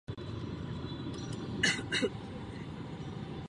Umožní ji úspěšnou cestou propojit s jinými ekonomikami.